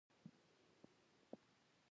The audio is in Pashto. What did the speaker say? په میوند سیمه کې مو سترګې ولګېدلې.